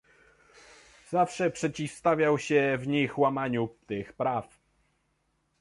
Zawsze przeciwstawiał się w nich łamaniu tych praw